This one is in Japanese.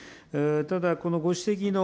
ただこのご指摘の、